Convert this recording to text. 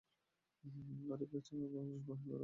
আর বেঁচে আছে আপনার আরশ বহনকারিগণ ও আমি।